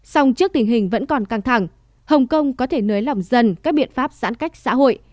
song trước tình hình vẫn còn căng thẳng hồng kông có thể nới lỏng dần các biện pháp giãn cách xã hội